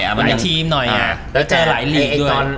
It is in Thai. ต้องหลายทีมหน่อยแล้วจะหลายลีกด้วย